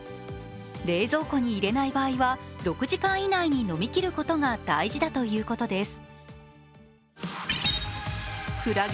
冷蔵庫に入れない場合は６時間以内に飲みきることが大事だということです。